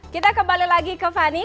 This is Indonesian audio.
kita kembali lagi ke fani